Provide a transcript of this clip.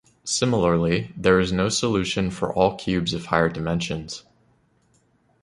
Similarly, there is no solution for all cubes of higher dimensions.